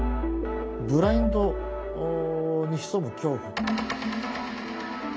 ブラインドに潜む恐怖。